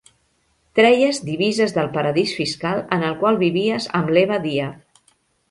Treies divises del paradís fiscal en el qual vivies amb l'Eva Díaz.